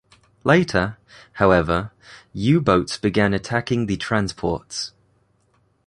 Later, however, U-boats began attacking the transports.